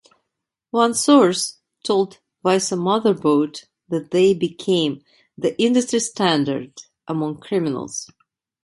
One source told Vice Motherboard that they became the "industry standard" among criminals.